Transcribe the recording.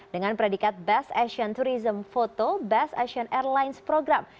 dengan predikat best asian tourism photo best asian airlines program